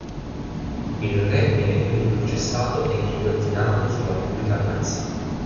Il re viene quindi processato e ghigliottinato sulla pubblica piazza.